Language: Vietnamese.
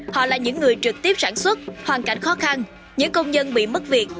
họ là những người trực tiếp sản xuất hoàn cảnh khó khăn những công nhân bị mất việc